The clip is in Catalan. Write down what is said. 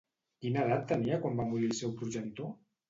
Quina edat tenia quan va morir el seu progenitor?